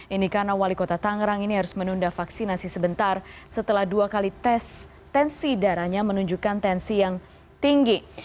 ini karena wali kota tangerang ini harus menunda vaksinasi sebentar setelah dua kali tes tensi darahnya menunjukkan tensi yang tinggi